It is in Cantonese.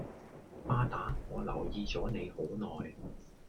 巴打我留意左你好耐